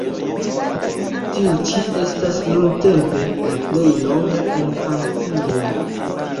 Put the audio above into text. Tiu ĉi estas nuntempe la plej longa en Francio.